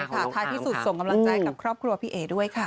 ท้ายที่สุดส่งกำลังใจกับครอบครัวพี่เอ๋ด้วยค่ะ